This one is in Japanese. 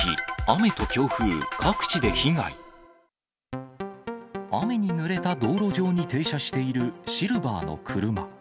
雨にぬれた道路上に停車しているシルバーの車。